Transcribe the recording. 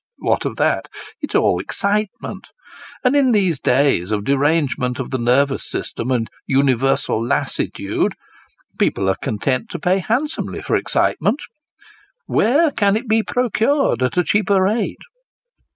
What of that ? It is all excitement. And in these days of derange ment of the nervous system and universal lassitude, people are content io6 Sketches by Bos. to pay handsomely for excitement; where can it be procured at a cheaper rate